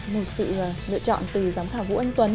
một sự lựa chọn từ giám khảo vũ anh tuấn